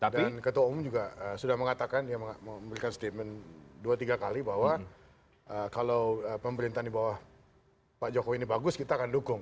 dan ketua umum juga sudah mengatakan dia memberikan statement dua tiga kali bahwa kalau pemerintahan di bawah pak jokowi ini bagus kita akan dukung